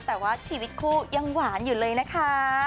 แต่ว่าชีวิตคู่ยังหวานอยู่เลยนะคะ